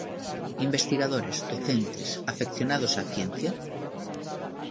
Investigadores, docentes, afeccionados á ciencia...?